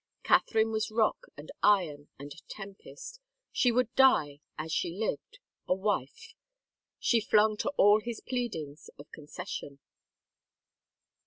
Catherine was rock and iron and tempest She would die, as she lived, a wife, she flung to all his pleadings of conces sion.